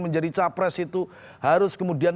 menjadi capres itu harus kemudian